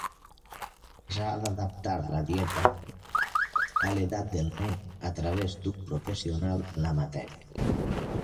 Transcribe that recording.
S'ha d'adaptar la dieta a l'edat del nen a través d'un professional en la matèria.